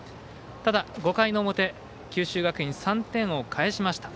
ただ、５回の表九州学院３点を返しました。